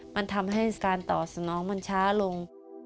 มันทำให้การตอบสนองมันช้าลง